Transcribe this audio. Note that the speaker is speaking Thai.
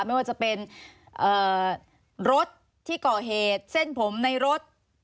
ไม่ว่าจะเป็นรถที่ก่อเหตุเส้นผมในรถ